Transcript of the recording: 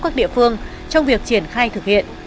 các địa phương trong việc triển khai thực hiện